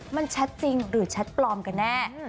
มันชัดจริงหรือชัดปลอมกันแล้